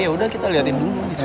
yaudah kita liatin dulu